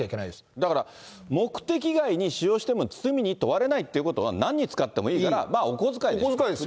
だから、目的外に使用しても罪に問われないということは、なんに使ってもいいからまあ、お小遣いです。